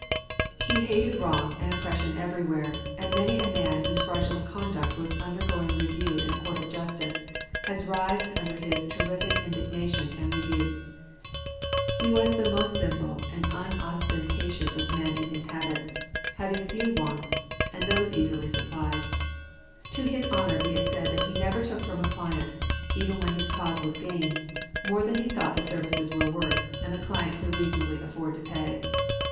He hated wrong and oppression everywhere, and many a man whose fraudulent conduct was undergoing review in a court of justice has writhed under his terrific indignation and rebukes. He was the most simple and unostentatious of men in his habits, having few wants, and those easily supplied. To his honor be it said that he never took from a client, even when his cause was gained, more than he thought the services were worth and the client could reasonably afford to pay.